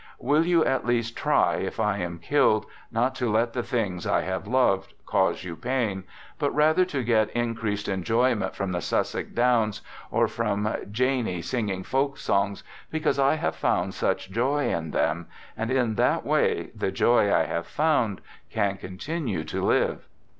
.•. Will you at least try, if I am killed, not to let the things I have loved, cause you pain, but rather to get increased enjoyment from the Sussex Downs or from Janie singing folk songs, because I have found such joy in them, and in that way the joy I have found can continue to live.